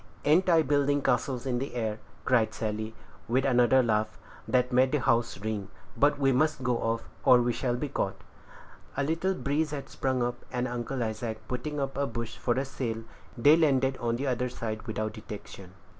Ain't I building castles in the air?" cried Sally, with another laugh, that made the house ring; "but we must go off, or we shall be caught." A little breeze had sprung up, and Uncle Isaac putting up a bush for a sail, they landed on the other side without detection.